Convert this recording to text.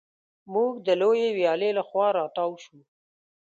موږ د لویې ویالې له خوا را تاو شوو.